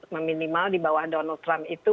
meminimal di bawah donald trump itu